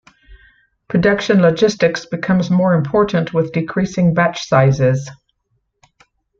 Production logistics becomes more important with decreasing batch sizes.